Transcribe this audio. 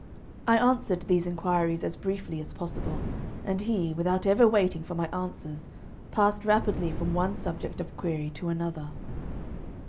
I answered these inquiries as briefly as possible, and he, without ever waiting for my answers, passed rapidly from one subject of query to another.